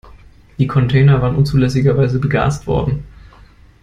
Die Container waren unzulässigerweise begast worden.